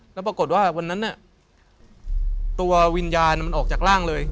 แล้วปรากฏว่าวันนั้นตัววิญญาณมันออกจากร่างเลย